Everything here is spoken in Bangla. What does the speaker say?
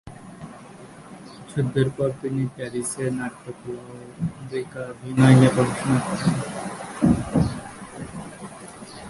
যুদ্ধের পর তিনি প্যারিসে নাট্যকলা ও মূকাভিনয় নিয়ে পড়াশোনা করেন।